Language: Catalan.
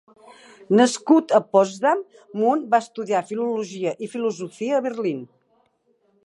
Nascut a Potsdam, Mundt va estudiar filologia i filosofia a Berlín.